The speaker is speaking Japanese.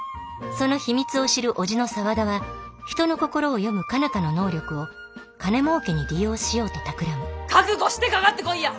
その秘密を知る叔父の沢田は人の心を読む佳奈花の能力を金もうけに利用しようとたくらむ覚悟してかかってこいや！